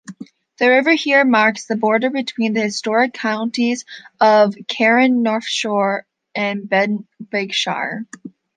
The river here marks the border between the historic counties of Caernarfonshire and Denbighshire.